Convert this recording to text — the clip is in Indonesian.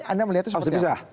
anda melihatnya seperti apa